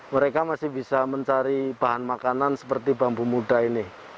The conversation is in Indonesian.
mereka masih bisa mencari bahan makanan seperti bambu muda ini